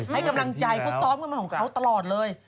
ให้กำลังใจเขาซ้อมกันมาของเขาตลอดเลย